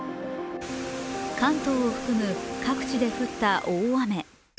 関東を含む各地で降った大雨。